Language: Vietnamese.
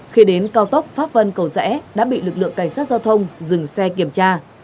khi đến cao tốc pháp vân cầu rẽ đã bị lực lượng cảnh sát giao thông dừng xe kiểm tra